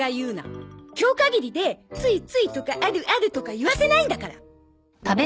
今日限りでついついとかあるあるとか言わせないんだから。